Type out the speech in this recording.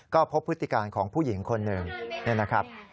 ก็พบพฤติการของผู้หญิงคนหนึ่งนี่นะครับ